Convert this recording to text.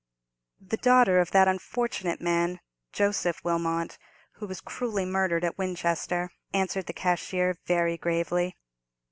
"The daughter of that unfortunate man, Joseph Wilmot, who was cruelly murdered at Winchester!" answered the cashier, very gravely.